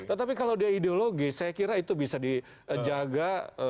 tetapi kalau dia ideologis saya kira itu bisa dijaga